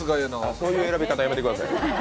そういう選び方やめてください。